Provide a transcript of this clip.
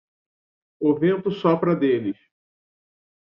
O vento sopra deles